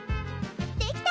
できた！